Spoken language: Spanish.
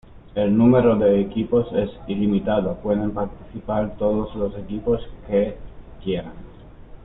El número de equipos es ilimitado, pueden participar todos los equipos que quieran.